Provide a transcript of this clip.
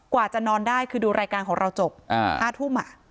กว่าจะนอนได้คือดูรายการของเราจบ๕ทุ่ม